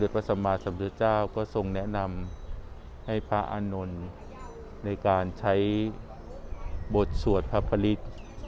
พระสมาสมพุทธเจ้าก็ทรงแนะนำให้พระอานนท์ในการใช้บทสวดพระพระฤทธิ์